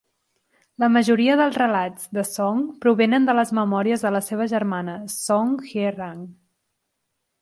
La majoria dels relats de Song provenen de les memòries de la seva germana, Song Hye-rang.